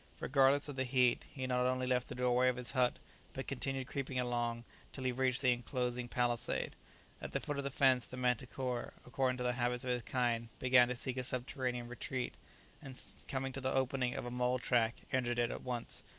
Regardless of the heat he not only left the doorway of his hut, but continued creeping along till he reached the enclosing palisade. At the foot of the fence the manticora, according to the habits of its kind, began to seek a subterranean retreat, and coming to the opening of a mole track entered it at once.